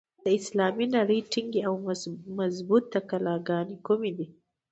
د اسلامي نړۍ ټینګې او مضبوطي کلاګانې کومي دي؟